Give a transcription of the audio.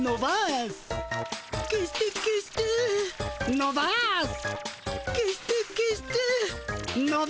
のばす。